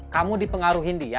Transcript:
kamu dipengaruhin dia